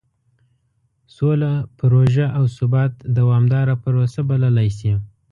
سوله پروژه او ثبات دومداره پروسه بللی شي.